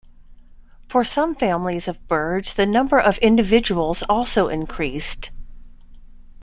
For some families of birds the number of individuals also increased.